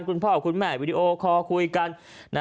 คุณพ่อคุณแม่วิดีโอคอลคุยกัน